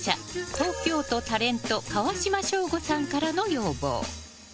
東京都、タレント川島省吾さんからの要望。